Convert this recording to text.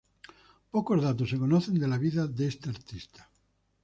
Pocos datos se conocen de la vida de este artista.